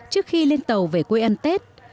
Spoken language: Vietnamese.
trước khi lên tàu về quê ăn tết